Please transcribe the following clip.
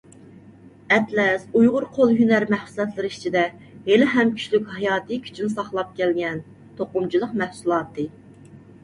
ئەتلەس ئۇيغۇر قول ھۈنەر مەھسۇلاتلىرى ئىچىدە ھېلىھەم كۈچلۈك ھاياتىي كۈچىنى ساقلاپ كەلگەن توقۇمىچىلىق مەھسۇلاتى.